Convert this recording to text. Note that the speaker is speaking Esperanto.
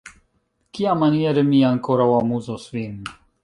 Kiamaniere mi ankoraŭ amuzos vin?